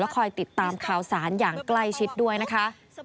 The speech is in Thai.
คอยติดตามข่าวสารอย่างใกล้ชิดด้วยนะคะ